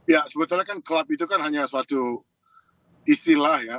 ya sebetulnya kan klub itu kan hanya suatu istilah ya